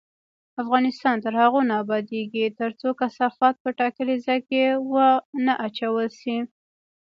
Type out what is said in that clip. افغانستان تر هغو نه ابادیږي، ترڅو کثافات په ټاکلي ځای کې ونه اچول شي.